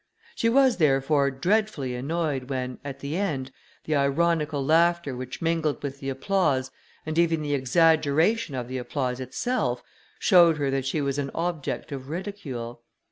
She was, therefore, dreadfully annoyed when, at the end, the ironical laughter which mingled with the applause, and even the exaggeration of the applause itself, showed her that she was an object of ridicule.